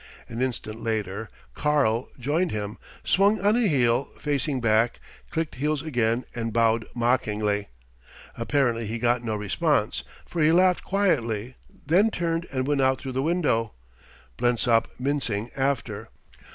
An instant later "Karl" joined him, swung on a heel, facing back, clicked heels again and bowed mockingly. Apparently he got no response, for he laughed quietly, then turned and went out through the window, Blensop mincing after.